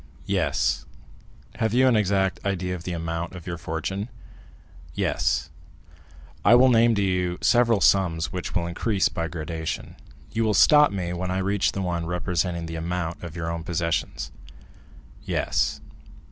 "Yes." "Have you an exact idea of the amount of your fortune?" "Yes." "I will name to you several sums which will increase by gradation; you will stop me when I reach the one representing the amount of your own possessions?" "Yes."